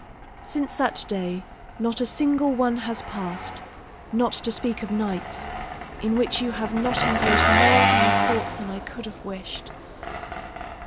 Since that day not a single one has passed, not to speak of nights, in which you have not engrossed more of my thoughts than I could have wished....